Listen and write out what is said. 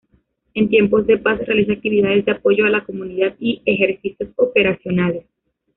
En tiempos de paz realiza actividades de apoyo a la comunidad y ejercicios operacionales.